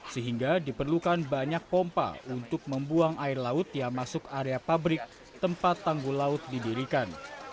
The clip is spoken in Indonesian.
sehingga diperlukan banyak pompa untuk membuang air laut yang masuk area pabrik tempat tanggul laut didirikan